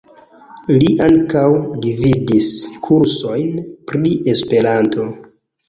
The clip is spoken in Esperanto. Li ankaŭ gvidis kursojn pri Esperanto.